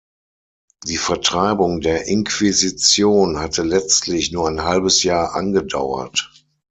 Die Vertreibung der Inquisition hatte letztlich nur ein halbes Jahr angedauert.